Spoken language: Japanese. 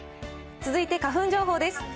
続いて花粉情報です。